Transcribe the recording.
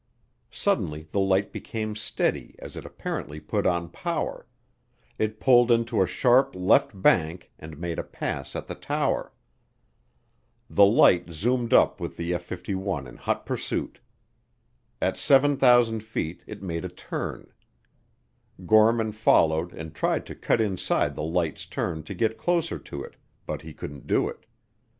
Suddenly the light became steady as it apparently put on power; it pulled into a sharp left bank and made a pass at the tower. The light zoomed up with the F 51 in hot pursuit. At 7,000 feet it made a turn. Gorman followed and tried to cut inside the light's turn to get closer to it but he couldn't do it.